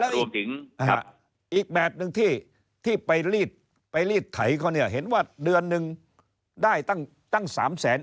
แล้วอีกแบบหนึ่งที่ไปรีดไถเขาเนี่ยเห็นว่าเดือนหนึ่งได้ตั้ง๓แสน